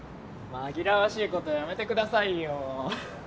紛らわしいことやめてくださいよ